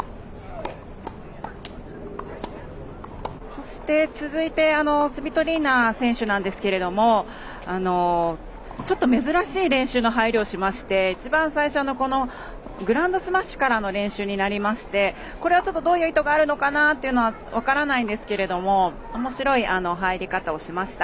そして、続いてスビトリーナ選手なんですがちょっと珍しい練習の入りをしまして、一番最初グラウンドスマッシュからの練習になりましてこれはちょっと、どういう意図があるのかなというのは分からないんですけれどもおもしろい入り方をしました。